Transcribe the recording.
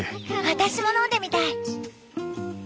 私も飲んでみたい！